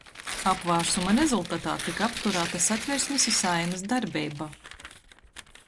Apvārsuma rezultatā tyka apturāta Satversmis i Saeimys darbeiba,